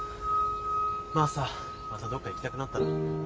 まあさまたどっか行きたくなったら。